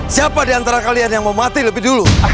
siapa di antara kalian yang mau mati lebih dulu